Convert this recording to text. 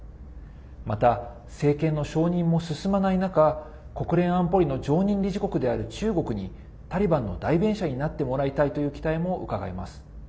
また、政権の承認も進まない中国連安保理の常任理事国である中国にタリバンの代弁者になってもらいたいという期待も伺えます。